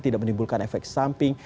tidak menimbulkan efek samping